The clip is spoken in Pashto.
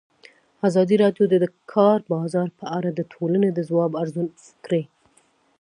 ازادي راډیو د د کار بازار په اړه د ټولنې د ځواب ارزونه کړې.